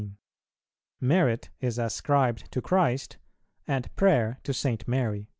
Merit is ascribed to Christ, and prayer to St. Mary, p.